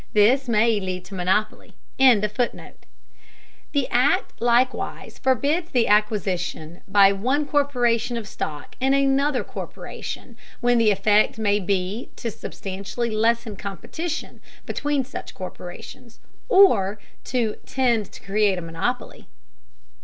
This may lead to monopoly.] The Act likewise forbids the acquisition by one corporation of stock in another corporation when the effect may be "to substantially lessen competition" between such corporations, or "to tend to create a monopoly."